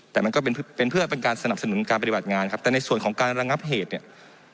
แต่มันก็เป็นเพื่อเป็นการสนับสนุนการปฏิบัติงานครับแต่ในส่วนของการระงับเหตุเนี่ย